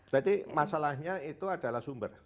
jadi masalahnya itu adalah sumber